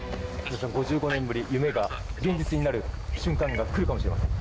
５５年ぶり、夢が現実になる瞬間が来るかもしれません。